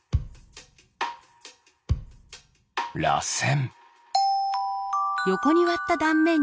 らせん。